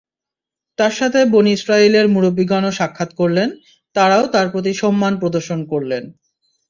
তাঁর সাথে বনী ইসরাঈলের মুরুব্বীগণও সাক্ষাত করলেন, তারাও তাঁর প্রতি সম্মান প্রদর্শন করলেন।